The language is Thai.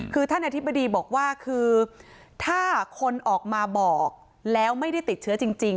คือท่านอธิบดีบอกว่าคือถ้าคนออกมาบอกแล้วไม่ได้ติดเชื้อจริง